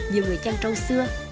nhiều người chăn trâu xưa